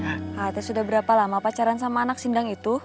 nah sudah berapa lama pacaran sama anak sindang itu